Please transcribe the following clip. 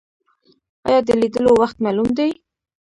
ایا د لیدلو وخت معلوم دی؟